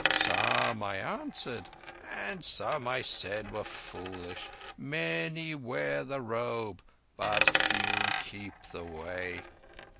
Some I answered, and some I said were foolish. Many wear the Robe, but few keep the Way."